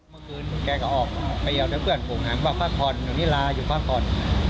เมื่อคืนแกก็ออกไปเยาที่เพื่อนปลูกหังบ้านภาคธรรมอยู่นิราอยู่ภาคธรรม